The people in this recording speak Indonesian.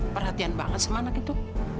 perhatian banget sama anak itu